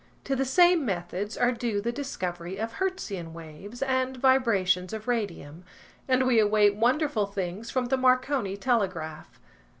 To the same methods are due the discovery of Hertzian waves, and vibrations of radium, and we await wonderful things from the Marconi telegraph.